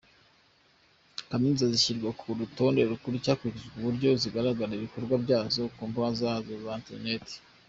Kaminuza zishyirwa ku rutonde hakurikijwe uburyo zigaragaza ibikorwa byazo ku mbuga zazo za interineti.